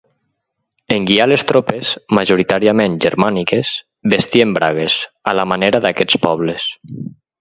En guiar les tropes -majoritàriament, germàniques- vestien bragues, a la manera d'aquests pobles.